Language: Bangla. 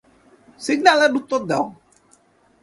সিগন্যালের উত্তর দাও।